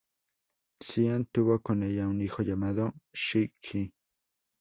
Xian tuvo con ella un hijo llamado Xi Qi.